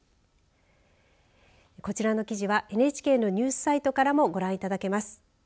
こちらの記事はＮＨＫのニュースサイトからもご覧いただけます。